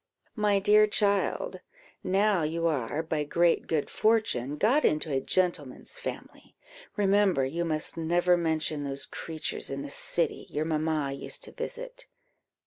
"My dear child, now you are, by great good fortune, got into a gentleman's family, remember you must never mention those creatures in the city your mamma used to visit.